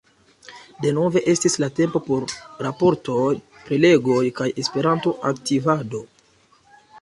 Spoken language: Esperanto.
Denove estis la tempo por raportoj, prelegoj kaj Esperanto-aktivado.